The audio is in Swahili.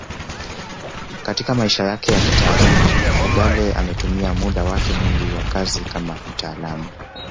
Katika maisha yake ya kitaaluma Mfugale ametumia muda wake mwingi wa kazi kama mtaalamu